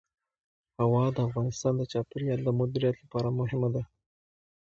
هوا د افغانستان د چاپیریال د مدیریت لپاره مهم دي.